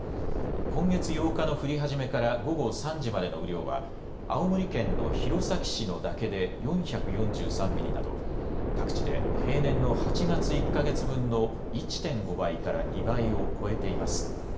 今月８日の降り始めから午後３時までの雨量は、青森県の弘前市の岳で４４３ミリなど、各地で平年の８月１か月分の１．５倍から２倍を超えています。